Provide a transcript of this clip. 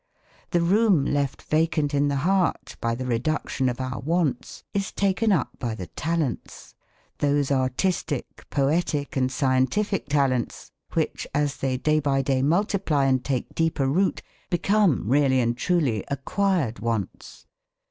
The room left vacant in the heart by the reduction of our wants is taken up by the talents those artistic, poetic, and scientific talents which, as they day by day multiply and take deeper root, become really and truly acquired wants.